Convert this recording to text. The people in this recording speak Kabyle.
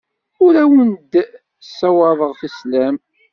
Ur awen-d-ssawaḍeɣ sslam.